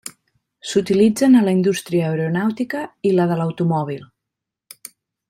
S'utilitzen a la indústria aeronàutica i la de l'automòbil.